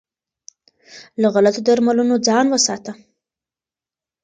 له غلطو درملنو ځان وساته.